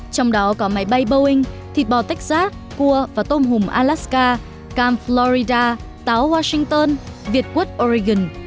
trong đó có máy bay boeing thịt bò texas cua và tôm hùm alaska camp florida táo washington việt quất oregon